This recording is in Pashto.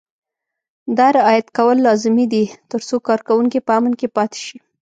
دا رعایت کول لازمي دي ترڅو کارکوونکي په امن کې پاتې شي.